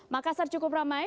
makassar cukup ramai